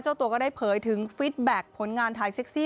เจ้าตัวก็ได้เผยถึงฟิตแบ็คผลงานถ่ายเซ็กซี่